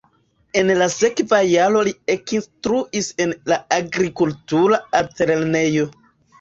En la sekva jaro li ekinstruis en la agrikultura altlernejo.